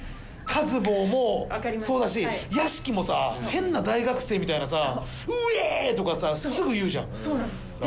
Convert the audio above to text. かず坊もそうだし屋敷もさ変な大学生みたいなさウェーイ！とかさすぐ言うじゃん。